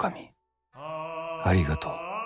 ありがとう。